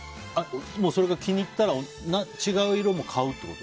もうそれが気に入ったら違う色も買うってこと？